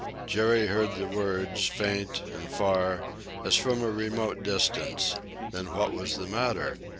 Jerry heard the words, faint and far, as from a remote distance. Then what was the matter?